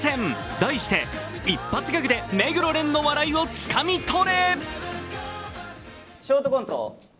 題して一発ギャグで目黒蓮の笑いをつかみとれ！